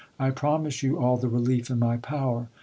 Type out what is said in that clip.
I pro mise you all the relief in my power.